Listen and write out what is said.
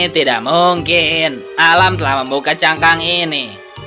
tidak mungkin alam telah membuka cangkang ini